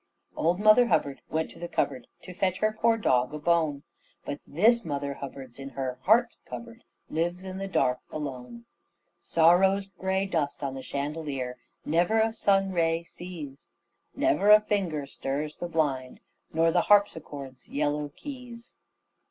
Old Mother Hubbard went to the cupboard To fetch her poor dog a bone, But this Mother Hubbard in her heart's cupboard Lives in the dark alone. Sorrow's grey dust on the chandelier Never a sun ray sees, Never a finger stirs the blind, Nor the harpsichord's yellow keys.